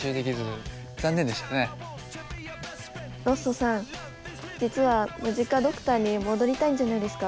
ロッソさん実はムジカドクターに戻りたいんじゃないですか？